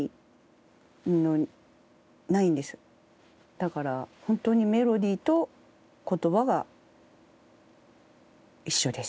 だから本当にメロディーと言葉は一緒です。